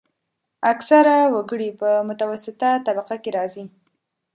اکثره وګړي په متوسطه طبقه کې راځي.